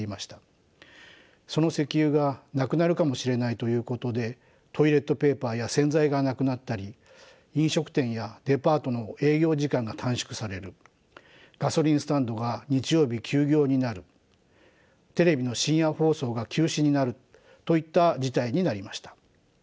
その石油がなくなるかもしれないということでトイレットペーパーや洗剤がなくなったり飲食店やデパートの営業時間が短縮されるガソリンスタンドが日曜日休業になるテレビの深夜放送が休止になるといった事態になりました。